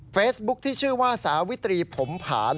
เฟซบุ๊คที่ชื่อว่าสาวิตรีผมผา